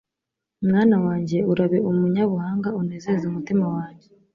Mwana wanjye urabe umunyabuhanga unezeze umutima wanjye